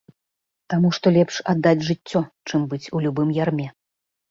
Таму што лепш аддаць жыццё, чым быць у любым ярме.